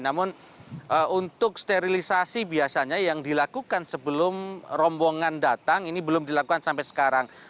namun untuk sterilisasi biasanya yang dilakukan sebelum rombongan datang ini belum dilakukan sampai sekarang